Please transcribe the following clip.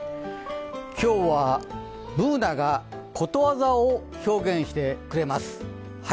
今日はＢｏｏｎａがことわざを表現してくれます。